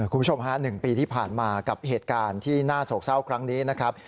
คุณผู้ชมฮะ๑ปีที่ผ่านมากับเหตุการณ์ที่น่าโศกเศร้าครั้งนี้นะครับ